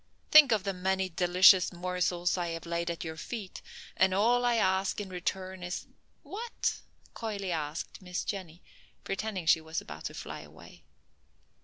"Think of the many delicious morsels I have laid at your feet, and all I ask in return is " "What?" coyly asked Miss Jenny, pretending she was about to fly away.